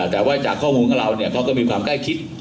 แต่ว่าจากข้อมูลมันลองเขาเนี่ยเขาก็มีความใกล้คิด